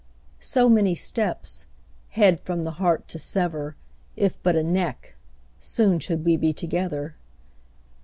So many steps, head from the heart to sever, If but a neck, soon should we be together.